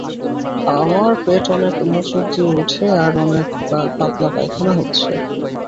আমার পেট অনেক মোচড় দিয়ে উঠে আর অনেক পাতলা পায়খানা হচ্ছে।